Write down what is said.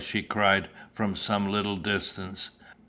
she cried, from some little distance.